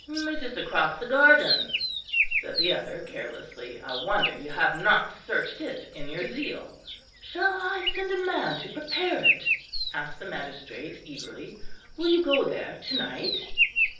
"It is across the garden," said the other carelessly. "I wonder you have not searched it in your zeal." "Shall I send a man to prepare it?" asked the magistrate eagerly. "Will you go there to night?"